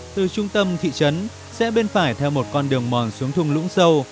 từ trung tâm thị trấn xe bên phải theo một con đường mòn xuống thùng lũng sâu